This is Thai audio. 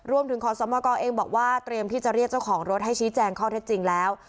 ขอสมกรเองบอกว่าเตรียมที่จะเรียกเจ้าของรถให้ชี้แจงข้อเท็จจริงแล้ว